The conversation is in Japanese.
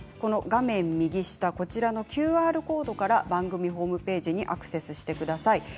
画面右下のＱＲコードから番組ホームページにアクセスしてください。